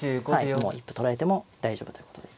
もう一歩取られても大丈夫ということで。